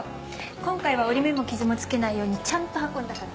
今回は折り目も傷も付けないようにちゃんと運んだから。